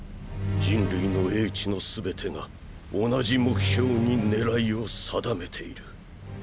人類の英知のすべてが同じ目標に狙いを定めている。